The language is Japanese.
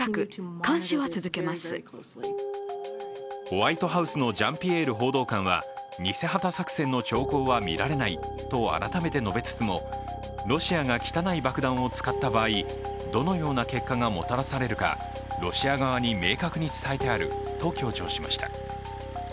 ホワイトハウスのジャンピエール報道官は偽旗作戦の兆候は見られないと改めて述べつつも、ロシアが汚い爆弾を使った場合、どのような結果がもたらされるかロシア側に明確に伝えてあると強調しました。